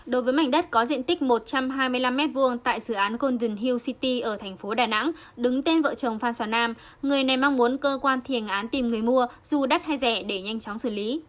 đối với mảnh đất có diện tích một trăm hai mươi năm m hai tại dự án congen hu city ở thành phố đà nẵng đứng tên vợ chồng phan xào nam người này mong muốn cơ quan thiền án tìm người mua dù đắt hay rẻ để nhanh chóng xử lý